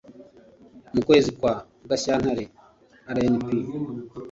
mu kwezi kwa gashyantare rnp